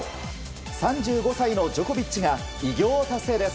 ３５歳のジョコビッチが偉業を達成です。